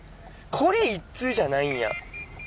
これ一通じゃないんや。